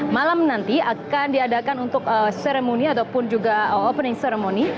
malam nanti akan diadakan untuk seremony ataupun juga opening ceremony